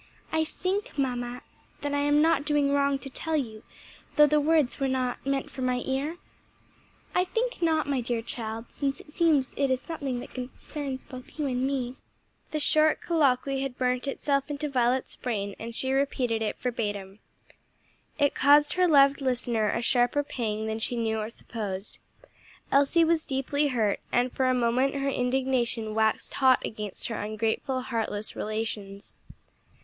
"I think mamma, that I am not doing wrong to tell you, though the words were not meant for my ear?" "I think not, my dear child, since it seems it is something that concerns both you and me." The short colloquy had burnt itself into Violet's brain and she repeated it verbatim. It caused her loved listener a sharper pang than she knew or supposed. Elsie was deeply hurt and for a moment her indignation waxed hot against her ungrateful, heartless relations.